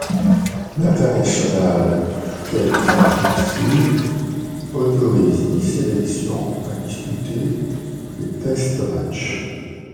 L'International Cricket Council autorise dix sélections à disputer des test-matchs.